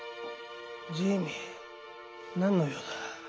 ジミー何の用だ？